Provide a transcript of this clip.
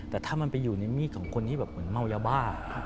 แต่ถ้ามันไปอยู่ในมีดของคนที่แบบเหมือนเมายาบ้า